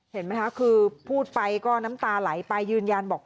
เห็นไหมคะคือพูดไปก็น้ำตาไหลไปยืนยันบอก